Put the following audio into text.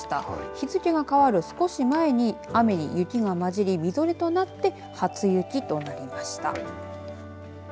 日付が変わる少し前に雨が雪に交じり、みぞれとなって初雪となりました。